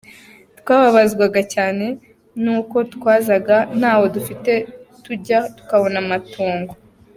Twababazwaga cyane n’uko twazaga ntaho dufite tujya tukabona amatongo.